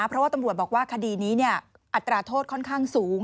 เพราะว่าตำรวจบอกว่าคดีนี้อัตราโทษค่อนข้างสูง